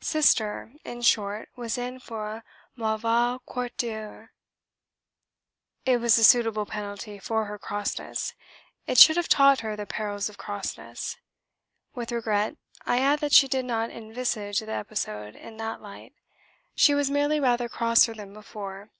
Sister, in short, was in for a mauvais quart d'heure. It was a suitable penalty for her crossness. It should have taught her the perils of crossness. With regret I add that she did not envisage the episode in that light. She was merely rather crosser than before.